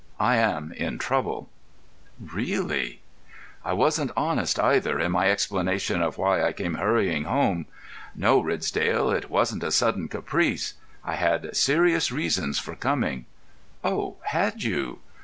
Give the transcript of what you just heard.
I am in trouble." "Really?" "I wasn't honest, either, in my explanation of why I came hurrying home. No, Ridsdale, it wasn't a sudden caprice. I had serious reasons for coming." "Oh, had you?"